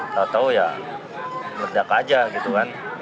tau tau ya ledak aja gitu kan